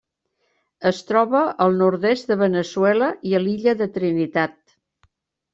Es troba al nord-est de Veneçuela i a l'Illa de Trinitat.